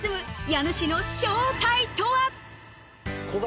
家主の正体とは？